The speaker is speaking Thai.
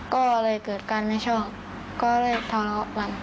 ก็เลยเกิดการไม่ชอบก็เลยทะเลาะกัน